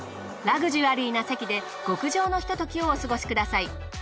ラグジュアリーな席で極上のひと時をお過ごしください。